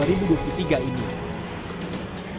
tim liputan sian and indonesia